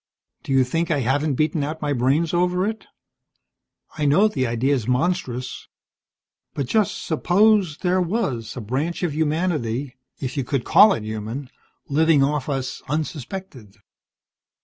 "Do you think I haven't beaten out my brains over it? I know the idea's monstrous. But just suppose there was a branch of humanity if you could call it human living off us unsuspected.